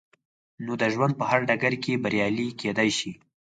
نو د ژوند په هر ډګر کې بريالي کېدای شئ.